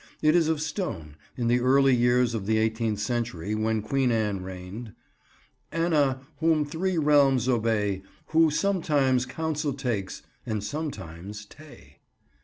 It is of stone, in the early years of the eighteenth century, when Queen Anne reigned. "Anna, whom three realms obey, Who sometimes counsel takes, and sometimes tay."